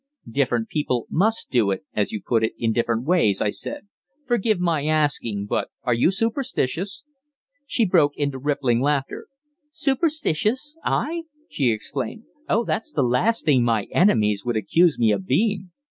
"Different people must 'do it,' as you put it, in different ways," I said. "Forgive my asking, but are you superstitious?" She broke into rippling laughter. "Superstitious? I?" she exclaimed. "Oh, that's the last thing my enemies would accuse me of being!"